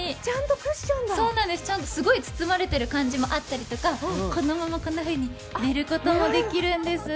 すごい包まれてる感じもあったりとか、このままこんなふうに寝ることもできるんです。